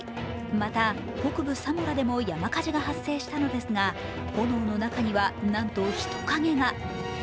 また、北部サモラでも山火事が発生したのですが、炎の中にはなんと人影が。